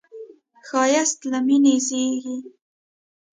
ښایست له مینې زېږي